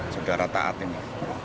saudara taat ini